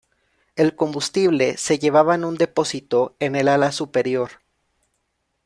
El combustible se llevaba en un depósito en el ala superior.